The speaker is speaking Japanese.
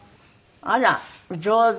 あら上手。